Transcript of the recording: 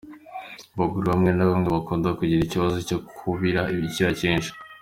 Ku bagore bamwe na bamwe bakunda kugira ikibazo cyo kubira icyuya cyinshi.